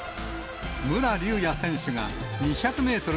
武良竜也選手が２００メートル